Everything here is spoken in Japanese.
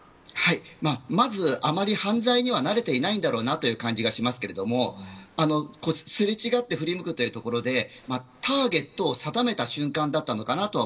まず、あまり犯罪には慣れていないという感じがしますけどすれ違って振り向くというところでターゲットを定めた瞬間